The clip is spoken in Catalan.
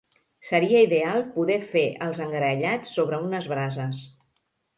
Seria ideal poder fer els engraellats sobre unes brases.